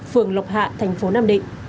phường lộc hạ tp nhcm